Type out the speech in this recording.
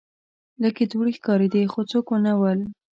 لږ دوړې ښکاریدې خو څوک نه ول.